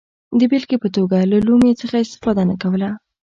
د بېلګې په توګه له لومې څخه استفاده نه کوله.